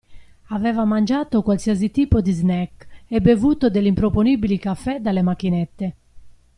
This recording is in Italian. Aveva mangiato qualsiasi tipo di snack e bevuto degli improponibili caffè dalle macchinette.